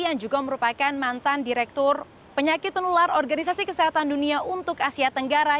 yang juga merupakan mantan direktur penyakit penular organisasi kesehatan dunia untuk asia tenggara